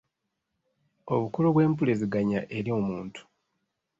obukulu bw’empuliziganya eri omuntu